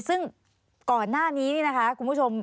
ซึ่งก่อนหน้านี้คุณผู้ชม